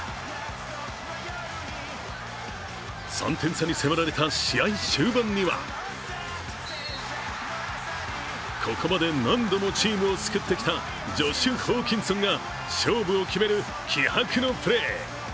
３点差に迫られた試合終盤にはここまで何度もチームを救ってきたジョシュ・ホーキンソンが勝負を決める気迫のプレー。